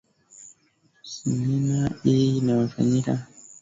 semina hii iliyofanyika kwenye Ukumbi mdogo wa mwenyekiti katika halmashauri ya Arusha